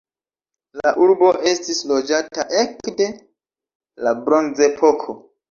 La urbo estis loĝata ekde la bronzepoko.